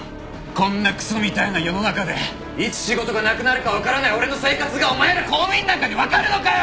こんなクソみたいな世の中でいつ仕事がなくなるかわからない俺の生活がお前ら公務員なんかにわかるのかよ！